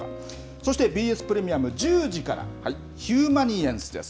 そしてＢＳプレミアム１０時から、ヒューマニエンスです。